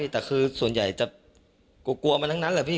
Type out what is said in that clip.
แต่คือส่วนใหญ่จะกลัวมาทั้งนั้นแหละพี่